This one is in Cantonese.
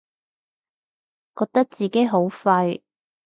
覺得自己好廢